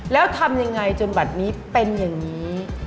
แล้วทำยังไงจนบัตรนี้เป็นอย่างนี้